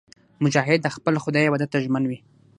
مجاهد د خپل خدای عبادت ته ژمن وي.